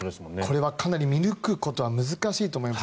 これはかなり見抜くことは難しいと思います。